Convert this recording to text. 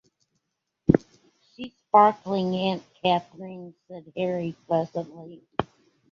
"She's sparkling, Aunt Catherine," said Harry pleasantly.